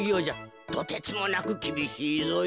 とてつもなくきびしいぞえ。